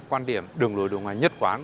quan điểm đường lối đối ngoại nhất quán